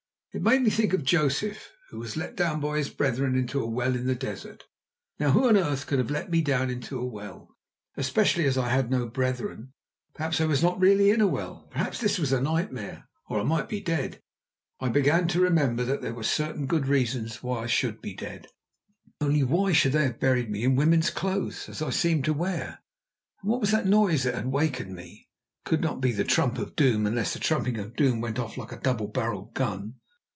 It made me think of Joseph who was let down by his brethren into a well in the desert. Now, who on earth could have let me down into a well, especially as I had no brethren? Perhaps I was not really in a well. Perhaps this was a nightmare. Or I might be dead. I began to remember that there were certain good reasons why I should be dead. Only, only—why should they have buried me in woman's clothes as I seemed to wear? And what was that noise that had wakened me? It could not be the trump of doom, unless the trumping of doom went off like a double barrelled gun.